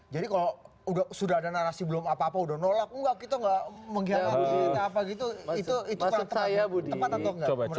jadi kalau sudah ada narasi belum apa apa sudah nolak kita tidak menggiatnya itu tempat atau tidak